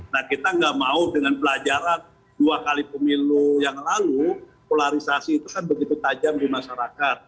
nah kita nggak mau dengan pelajaran dua kali pemilu yang lalu polarisasi itu kan begitu tajam di masyarakat